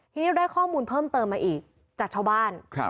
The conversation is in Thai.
ทีนี้เราได้ข้อมูลเพิ่มเติมมาอีกจากชาวบ้าน